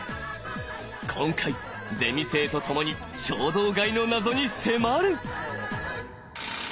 今回ゼミ生とともに衝動買いの謎に迫る！